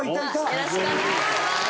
よろしく！お願いします！